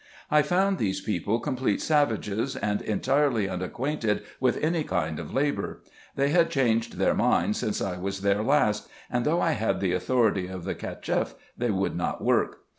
I found these people complete savages, and entirely unacquainted with any kind of labour. They had changed their minds since I was there last ; and, though I had the authority of the Cacheff, they would not work.